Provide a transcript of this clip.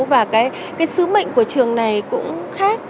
và cái sứ mệnh của trường này cũng khác